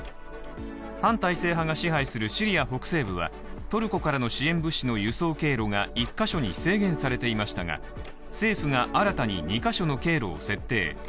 反体制派が支配するシリア北西部はトルコからの支援物資の輸送経路が１か所に制限されていましたが、政府が新たに２か所の経路を設定。